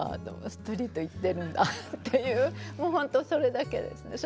ストリート行ってるんだっていうもうほんとそれだけですね。